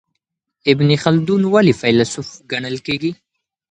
ابن خلدون ولي فیلسوف ګڼل کیږي؟